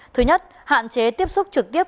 thứ nhất hạn chế tiếp xúc trực tiếp